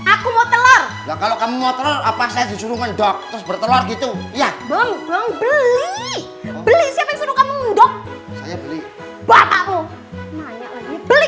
aku mau telur telur apa saya disuruh mendokter bertelur gitu ya beli beli